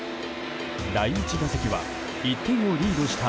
第１打席は１点をリードした